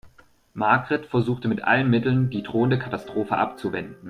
Margret versucht mit allen Mitteln, die drohende Katastrophe abzuwenden.